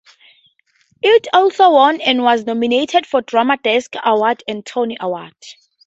He also won and was nominated for Drama Desk Awards and Tony Awards.